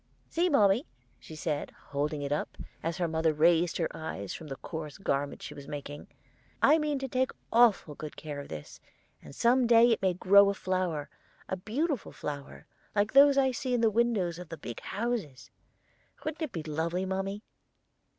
'See, mommy,' she said, holding it up, as her mother raised her eyes from the coarse garment she was making, 'I mean to take awful good care of this, and some day it may grow a flower, a beautiful flower, like those I see in the windows of the big houses. Wouldn't that be lovely, mommy?'